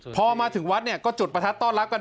พอมาถึงวัดเนี่ยก็จุดประทัดต้อนรับกัน